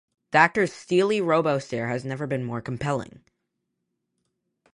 The actor's steely robostare has never been more compelling.